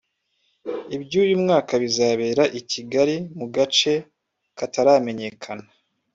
iby’uyu mwaka bizabera i Kigali mu gace kataramenyekan